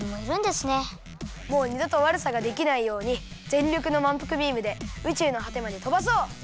もう２どとわるさができないようにぜんりょくのまんぷくビームで宇宙のはてまでとばそう！